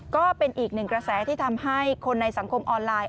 ก็เป็นอีกหนึ่งกระแสที่ทำให้คนในสังคมออนไลน์